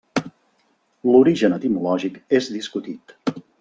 L'origen etimològic és discutit.